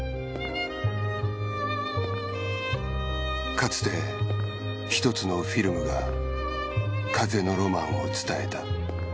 かつてひとつのフィルムが風のロマンを伝えた。